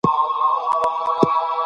دولت په مستقیم ډول په تولید کي برخه اخلي.